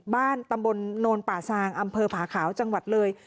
ตำบลโนนป่าซางอำเภอผาขาวจังหวัดเลย